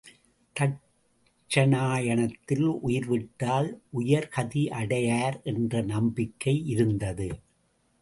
தட்சிணாயனத்தில் உயிர்விட்டால் உயர் கதி அடையார் என்ற நம்பிக்கை இருந்தது.